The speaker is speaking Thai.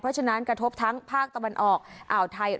เพราะฉะนั้นกระทบทั้งภาคตะวันออกอ่าวไทย